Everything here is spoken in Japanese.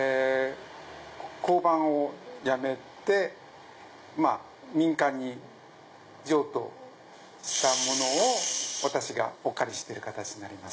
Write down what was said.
交番をやめてまぁ民間に譲渡したものを私がお借りしてる形になります。